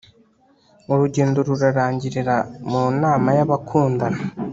Urugendo rurangirira mu nama yabakundana